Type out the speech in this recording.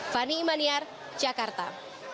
fani imanyar jakarta